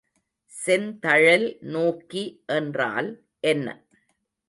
செந்தழல் நோக்கி என்றால் என்ன?